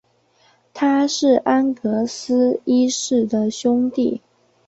他是安格斯一世的兄弟。